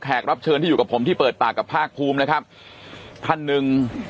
รับเชิญที่อยู่กับผมที่เปิดปากกับภาคภูมินะครับท่านหนึ่ง